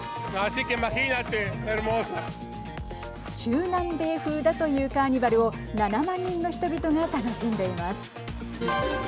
中南米風だというカーニバルを７万人の人々が楽しんでいます。